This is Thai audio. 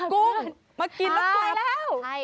กุ้งมากินแล้วกลับ